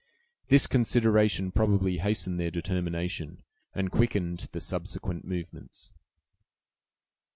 This consideration probably hastened their determination, and quickened the subsequent movements.